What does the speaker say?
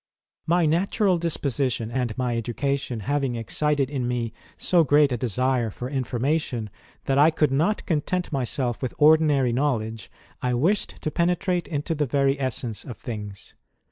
"My natural disposition, and my education, ha\'ing excited in me so great a desire for information, that I could not content myself with ordinary knowledge, I wished to penetrate into the very essence of things.